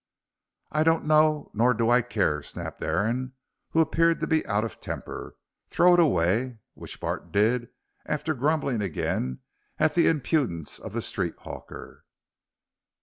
"I don't know, nor do I care," snapped Aaron, who appeared to be out of temper. "Throw it away!" which Bart did, after grumbling again at the impudence of the street hawker.